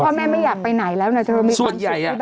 พ่อแม่ไม่อยากไปไหนแล้วนะเธอมีบ้านสุดที่บ้านแล้ว